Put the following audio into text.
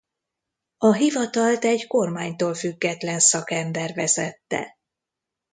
A hivatalt egy kormánytól független szakember vezette.